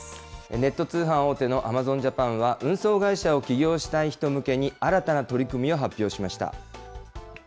ネット通販大手のアマゾンジャパンは、運送会社を起業したい人向けに新たな取り組みを発表しました。